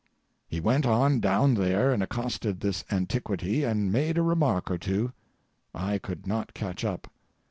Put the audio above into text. He went on down there and accosted this antiquity, and made a remark or two. I could not catch up.